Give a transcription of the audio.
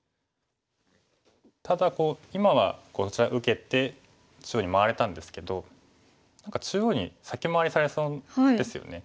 ただ今はこちら受けて中央に回れたんですけど中央に先回りされそうですよね。